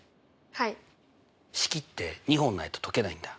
はい式って２本ないと解けないんだ。